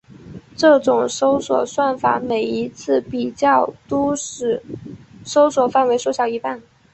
这种搜索算法每一次比较都使搜索范围缩小一半。